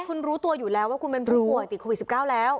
คุณรู้ตัวอยู่แล้วว่าคุณเป็นผู้ป่วยติดโควิด๑๙แล้ว